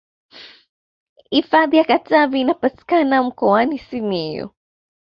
hifadhi ya katavi inapatikana mkoani simiyu